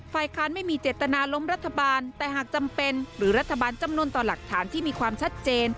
ฝ่ายค้านไม่มีเจตนาล้มรัฐบาลแต่หากจำเป็นหรือรัฐบาลจำนวนต่อหลักฐานที่มีความชัดเจน